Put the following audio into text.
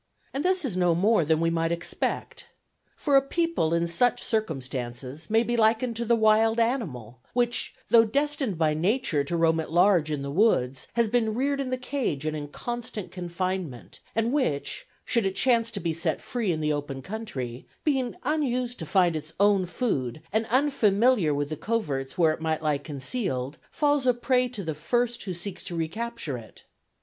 And this is no more than we might expect. For a people in such circumstances may be likened to the wild animal which, though destined by nature to roam at large in the woods, has been reared in the cage and in constant confinement and which, should it chance to be set free in the open country, being unused to find its own food, and unfamiliar with the coverts where it might lie concealed, falls a prey to the first who seeks to recapture it.